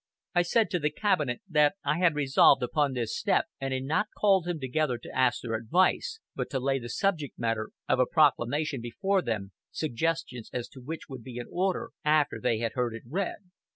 I said to the cabinet that I had resolved upon this step, and had not called them together to ask their advice, but to lay the subject matter of a proclamation before them, suggestions as to which would be in order after they had heard it read."